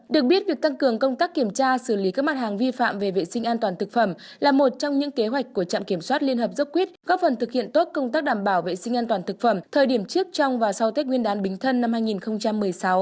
được biết việc tăng cường công tác kiểm tra xử lý các mặt hàng vi phạm về vệ sinh an toàn thực phẩm là một trong những kế hoạch của trạm kiểm soát liên hợp dốc quyết góp phần thực hiện tốt công tác đảm bảo vệ sinh an toàn thực phẩm thời điểm trước trong và sau tết nguyên đán bính thân năm hai nghìn một mươi sáu